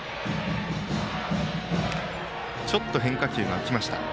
ちょっと変化球が浮きました。